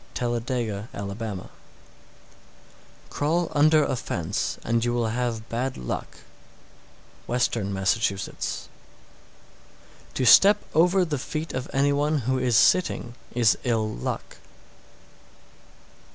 Talladega, Ala. 683. Crawl under a fence, and you will have bad luck. Western Masssachusetts.[TN 5] 684. To step over the feet of any one who is sitting is ill luck.